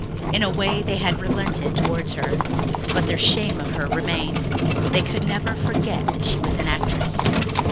In a way they had relented towards her, but their shame of her remained. They could never forget that she was an actress.